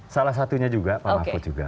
salah satunya juga pak mahfud juga